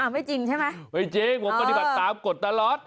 ไม่จริงใช่ไหมไม่จริงผมปฏิบัติตามกฎตลอด